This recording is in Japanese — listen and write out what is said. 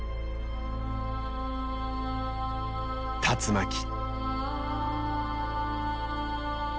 竜巻。